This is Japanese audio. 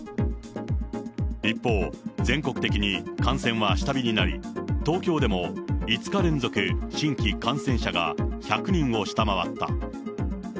一方、全国的に感染は下火になり、東京でも５日連続、新規感染者が１００人を下回った。